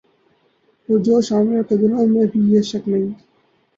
پرجوش حامیوں کے دلوں میں بھی یہ شک نہیں